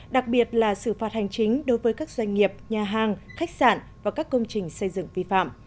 đặc biệt là xử phạt hành chính đối với các doanh nghiệp nhà hàng khách sạn và các công trình xây dựng vi phạm